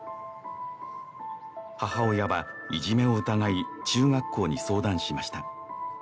母親はいじめを疑い中学校に相談しました